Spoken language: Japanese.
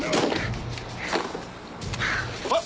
ああ！